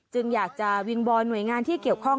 อยากจะวิงวอนหน่วยงานที่เกี่ยวข้อง